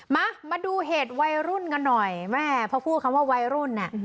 มามาดูเหตุวัยรุ่นกันหน่อยแม่พอพูดคำว่าวัยรุ่นน่ะ